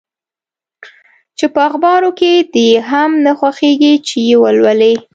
چي په اخبارو کي دي هم نه خوښیږي چي یې ولولې؟